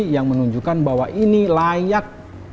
yang menunjukkan bahwa ini layak